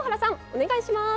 お願いします。